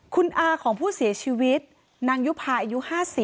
คุณอาของผู้เสียชีวิตนางยุภาอายุ๕๐